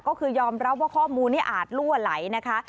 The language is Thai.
ก็คือยอมรับว่าข้อมูลนี้อาจลั่วไหลนะคะ